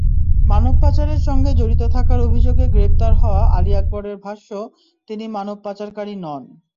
মানবপাচারের সঙ্গে জড়িত থাকার অভিযোগে গ্রেপ্তার হওয়া আলী আকবরের ভাষ্য, তিনি মানবপাচারকারী নন।